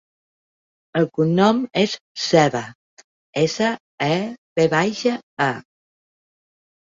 El cognom és Seva: essa, e, ve baixa, a.